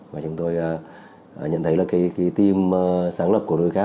và chúng tôi nhận thấy là team sáng lập của đôi khác